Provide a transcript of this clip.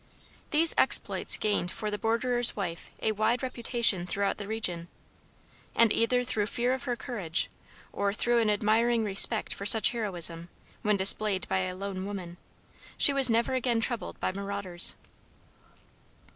These exploits gained for the borderer's wife a wide reputation throughout the region, and either through fear of her courage, or through an admiring respect for such heroism, when displayed by a lone woman, she was never again troubled by marauders.